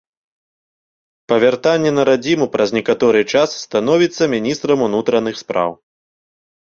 Па вяртанні на радзіму праз некаторы час становіцца міністрам унутраных спраў.